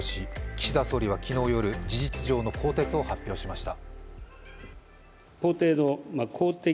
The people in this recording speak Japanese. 岸田総理は昨日夜、事実上の更迭を発表しました。